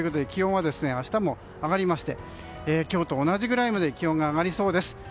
気温は明日も上がりまして今日と同じぐらいまで気温が上がりそうです。